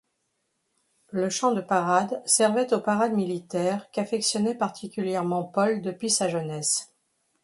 Le Champ de Parade servait aux parades militaires qu'affectionnait particulièrement Paul depuis sa jeunesse.